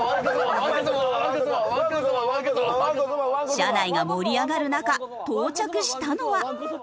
車内が盛り上がる中到着したのは。